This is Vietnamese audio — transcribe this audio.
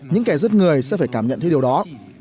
những kẻ giết người sẽ phải cảm nhận thấy điều đó